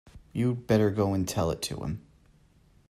You had better go and tell it to him.